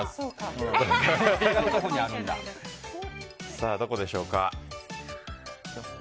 さあ、どこでしょうか。